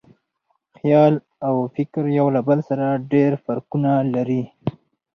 خیال او فکر یو له بل سره ډېر فرقونه لري.